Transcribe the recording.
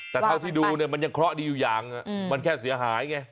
แต่เท่าที่ดูเนี่ยมันยังเคราะห์ดีอยู่อย่างมันแค่เสียหายไง